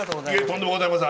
とんでもございません。